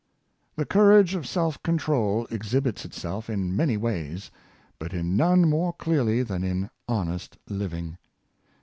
The courage of self control exhibits itself in many ways, but in none more clearly than in honest living.